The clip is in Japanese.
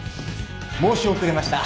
申し遅れました。